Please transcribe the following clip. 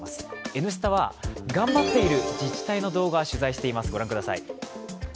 「Ｎスタ」は頑張っている自治体の動画を取材しています。